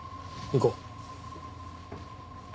行こう。